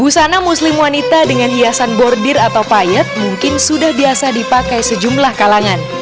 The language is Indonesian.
busana muslim wanita dengan hiasan bordir atau payet mungkin sudah biasa dipakai sejumlah kalangan